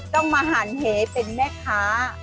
ต้องมาหันเหเป็นแม่ค้า